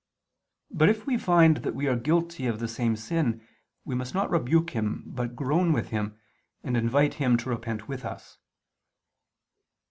But if we find that we are guilty of the same sin, we must not rebuke him, but groan with him, and invite him to repent with us."